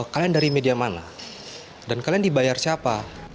kalian dari media mana dan kalian dibayar siapa